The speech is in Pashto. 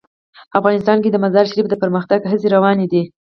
افغانستان کې د مزارشریف د پرمختګ هڅې روانې دي.